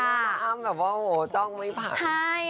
อ้ำแบบว่าโหจ้องไม่ผ่าน